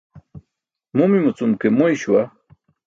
Mumimu cum ke moy śuwa.